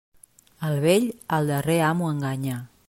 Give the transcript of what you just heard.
El vell, al darrer amo enganya.